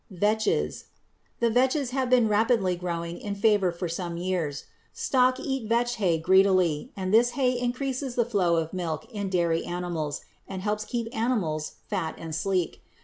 =Vetches.= The vetches have been rapidly growing in favor for some years. Stock eat vetch hay greedily, and this hay increases the flow of milk in dairy animals and helps to keep animals fat and sleek.